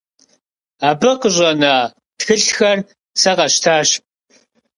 Абы къыщӀэна тхылъхэр сэ къэсщтащ.